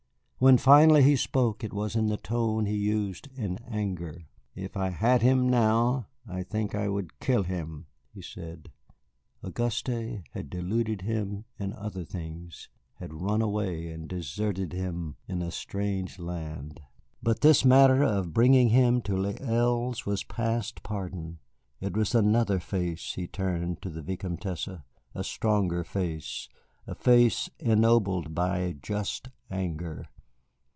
When finally he spoke it was in the tone he used in anger. "If I had him now, I think I would kill him," he said. Auguste had deluded him in other things, had run away and deserted him in a strange land. But this matter of bringing him to Les Îles was past pardon. It was another face he turned to the Vicomtesse, a stronger face, a face ennobled by a just anger.